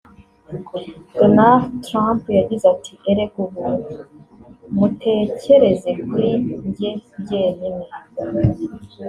Donald Trump yagize ati "Erega ubu mutekereze kuri jye jyenyine